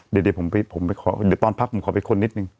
เดี๋ยวตอนพักผมขอไปคนนิดนึง